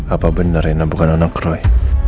apa bener ini bukan anak roy